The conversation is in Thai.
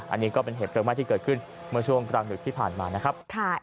อันนี้ก็เป็นเหตุเพลิงไหม้ที่เกิดขึ้นเมื่อช่วงกลางดึกที่ผ่านมานะครับ